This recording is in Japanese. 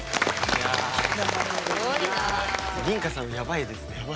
りんかさんやばいですね。